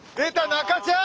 中ちゃん！